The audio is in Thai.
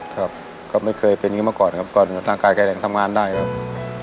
ครับก็ไม่เคยเป็นอย่างนี้มาก่อนครับก่อนร่างกายแรงทำงานได้ครับ